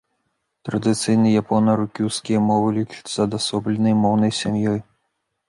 Традыцыйна япона-рукюскія мовы лічацца адасобленай моўнай сям'ёй.